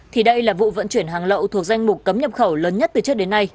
thì đây là vụ vận chuyển hàng lậu thuộc danh mục cấm nhập khẩu lớn nhất từ trước đến nay